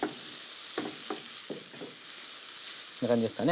こんな感じですかね。